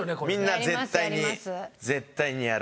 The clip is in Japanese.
みんな絶対に絶対にやる。